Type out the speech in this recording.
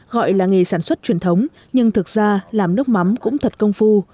gọi là nghề sản xuất truyền thống nhưng thực ra làm nước mắm cũng thật công phu